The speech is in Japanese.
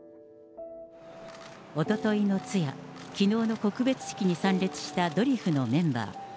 おとといの通夜、きのうの告別式に参列したドリフのメンバー。